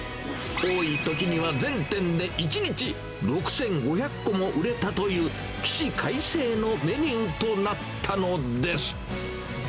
多いときには、全店で１日６５００個も売れたという、起死回生のメニューとなったのです。